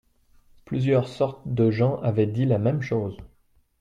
Plusieurs sortes de gens avaient dis la même chose.